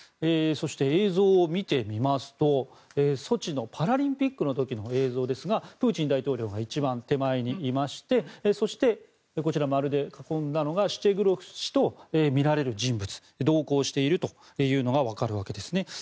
そして、映像を見てみますとソチのパラリンピックの時の映像ですがプーチン大統領が一番手前にいましてそしてこちら、丸で囲んだのがシチェグロフ氏とみられる人物同行しているというのがわかるわけですね。